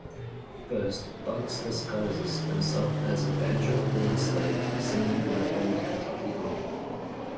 First, Bugs disguises himself as a banjo-playing slave, singing My Old Kentucky Home.